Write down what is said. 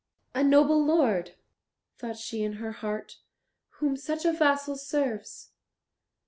"A noble lord," thought she in her heart, "whom such a vassal serves."